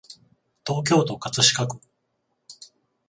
東京都葛飾区